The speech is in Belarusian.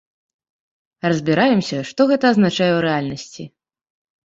Разбіраемся, што гэта азначае ў рэальнасці.